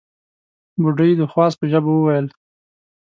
بوډۍ د خواست په ژبه وويل: